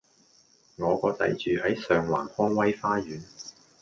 我個仔住喺上環康威花園